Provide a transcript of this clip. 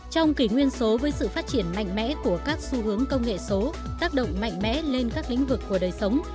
trong kỷ nguyên số với sự phát triển mạnh mẽ của các xu hướng công nghệ số tác động mạnh mẽ lên các lĩnh vực của đời sống